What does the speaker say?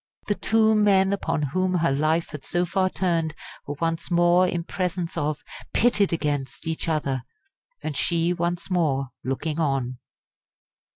The two men upon whom her life had so far turned were once more in presence of, pitted against, each other and she, once more, looking on!